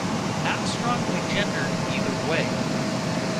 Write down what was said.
Not strongly gendered either way.